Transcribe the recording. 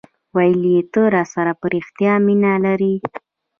ویل یي ته راسره په ریښتیا مینه لرې